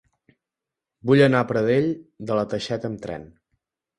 Vull anar a Pradell de la Teixeta amb tren.